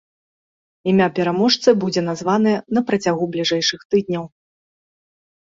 Імя пераможцы будзе названае на працягу бліжэйшых тыдняў.